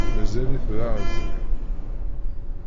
Mazal-it d aɛezri.